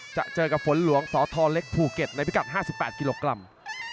จะเจอกับฝนหลวงสทเล็กภูเก็ตในพิกัด๕๘กิโลกรัม